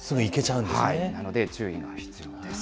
なので、注意が必要です。